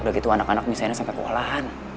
udah gitu anak anak misalnya sampai kewalahan